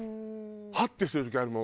ハッてする時あるもん。